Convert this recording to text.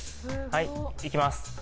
はいいきます